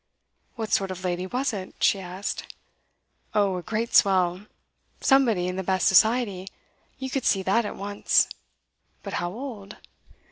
'What sort of lady was it?' she asked. 'Oh, a great swell. Somebody in the best society you could see that at once.' 'But how old?